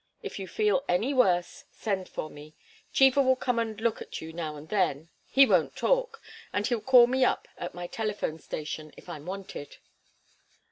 If you feel any worse, send for me. Cheever will come and look at you now and then he won't talk, and he'll call me up at my telephone station, if I'm wanted."